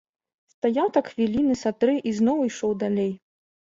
Стаяў так хвіліны са тры і зноў ішоў далей.